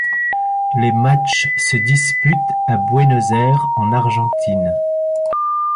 Les matchs se disputent à Buenos Aires en Argentine.